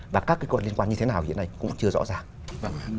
và các cơ quan liên quan như thế nào hiện nay cũng chưa rõ ràng